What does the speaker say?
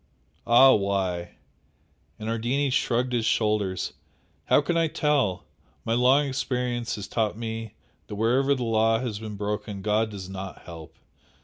"Ah, why!" and Ardini shrugged his shoulders "How can I tell? My long experience has taught me that wherever the law has been broken God does NOT help!